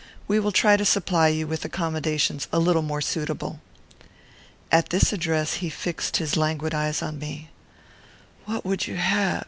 We will try to supply you with accommodations a little more suitable." At this address he fixed his languid eyes upon me. "What would you have?"